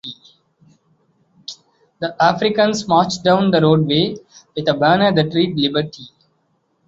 The Africans marched down the roadway with a banner that read Liberty!